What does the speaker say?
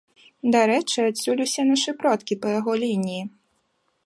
Дарэчы, адсюль усе нашы продкі па яго лініі.